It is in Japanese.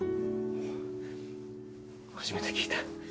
初めて聞いた。